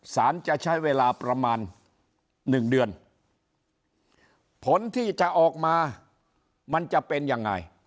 สารจะใช้เวลาประมาณ๑เดือนผลที่จะออกมามันจะเป็นยังไง